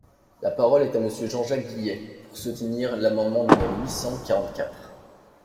La parole est à Monsieur Jean-Jacques Guillet, pour soutenir l’amendement numéro huit cent quarante-quatre.